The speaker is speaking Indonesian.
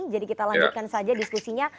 jadi kita lanjutkan saja diskusinya